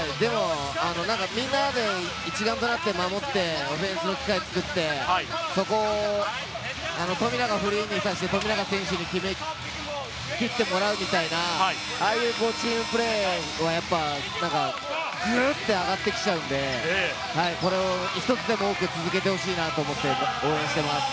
みんなで一丸となって守って、オフェンスの機会作って、そこを富永フリーにさせて、富永選手に決め切ってもらうみたいな、ああいうチームプレーは、やっぱグッて上がってきちゃうので、これを１つでも多く続けてほしいなと思って応援してます。